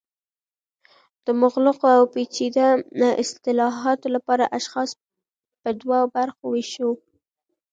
د مغلقو او پیچده اصطالحاتو لپاره اشخاص په دوه برخو ویشو